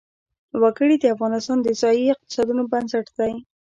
وګړي د افغانستان د ځایي اقتصادونو بنسټ دی.